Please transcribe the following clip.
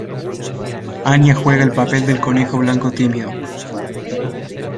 Anya juega el papel del Conejo Blanco tímido.